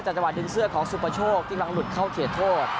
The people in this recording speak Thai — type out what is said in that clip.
แต่จังหวะดึงเสื้อของสุปโชคกำลังหลุดเข้าเขตโทษ